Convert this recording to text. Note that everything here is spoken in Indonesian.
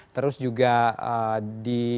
terus juga di